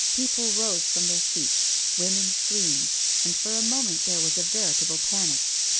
People rose from their seats. Women screamed, and, for a moment, there was a veritable panic.